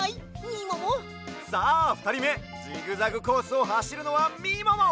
さあふたりめジグザグコースをはしるのはみもも！